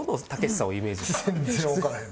全然わからへん。